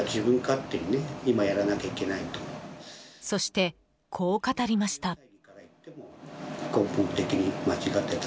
そして、こう語りました。